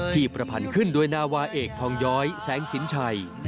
ที่ประพันขึ้นด้วยนาวาเอกทองย้อยแซงสินชัย